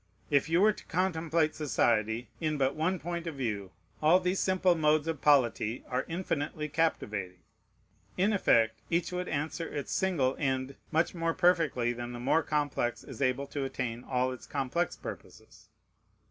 If you were to contemplate society in but one point of view, all these simple modes of polity are infinitely captivating. In effect each would answer its single end much more perfectly than the more complex is able to attain all its complex purposes.